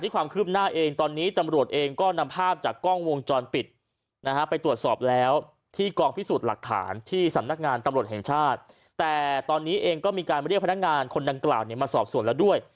การมาเรียกพนักงานคนดังกล่าวเนี่ยมาสอบสวนแล้วด้วย